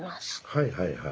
はいはいはい。